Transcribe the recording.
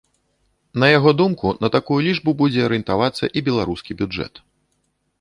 На яго думку, на такую лічбу будзе арыентавацца і беларускі бюджэт.